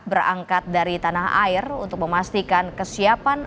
berangkat dari tanah air untuk memastikan kesiapan